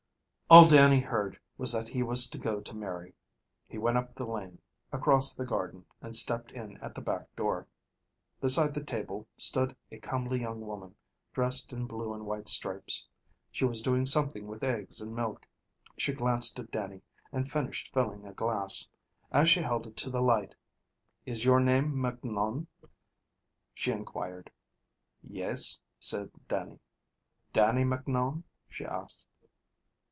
All Dannie heard was that he was to go to Mary. He went up the lane, across the garden, and stepped in at the back door. Beside the table stood a comely young woman, dressed in blue and white stripes. She was doing something with eggs and milk. She glanced at Dannie, and finished filling a glass. As she held it to the light, "Is your name Macnoun?" she inquired. "Yes," said Dannie. "Dannie Macnoun?" she asked.